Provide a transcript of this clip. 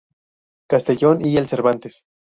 Castellón y el Cervantes.